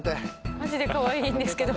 マジでかわいいんですけど。